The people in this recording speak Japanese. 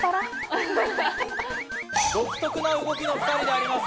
独特な動きの２人であります。